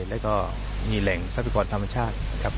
แล้วก็มีแหล่งทรัพยากรธรรมชาตินะครับ